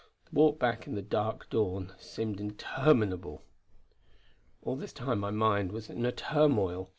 The walk back in the dark dawn seemed interminable. All this time my mind was in a turmoil.